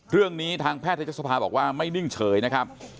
เรื่องนี้ทางแพทยศภาบอกว่าไม่นิ่งเฉยนะครับ